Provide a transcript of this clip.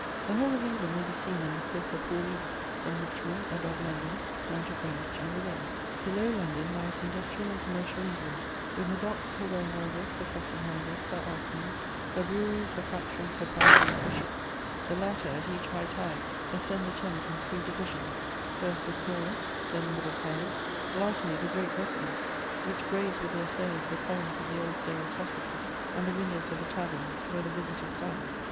The whole of England may be seen in the space of four leagues, from Richmond, above London, down to Greenwich and below. Below London lies industrial and commercial England, with her docks, her warehouses, her custom houses, her arsenals, her breweries, her factories, her foundries, her ships; the latter, at each high tide, ascend the Thames in three divisions: first, the smallest; then, the middle sized; lastly, the great vessels which graze with their sails the columns of the Old Sailors' Hospital and the windows of the tavern where the visitors dine.